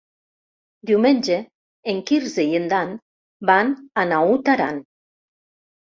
Diumenge en Quirze i en Dan van a Naut Aran.